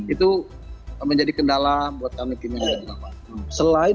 itu menjadi kendala buat kami kini